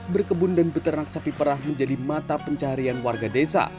berkebun dan beternak sapi perah menjadi mata pencaharian warga desa